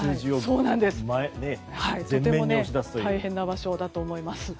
とても大変な場所だと思います。